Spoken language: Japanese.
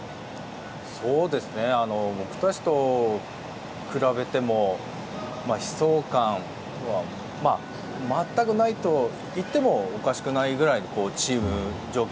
僕たちと比べても悲壮感は全くないといってもおかしくないくらいのチーム状況